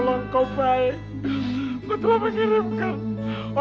setiap aku setuju